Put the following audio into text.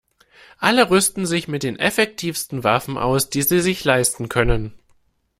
Alle rüsten sich mit den effektivsten Waffen aus, die sie sich leisten können.